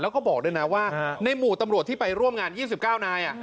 แล้วก็บอกด้วยนะว่าในหมู่ตำรวจที่ไปร่วมงาน๒๙นาย